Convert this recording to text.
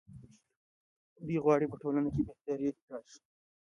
دوی غواړي په ټولنه کې بهتري راشي.